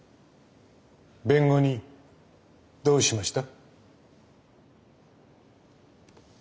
弁護人どうしました？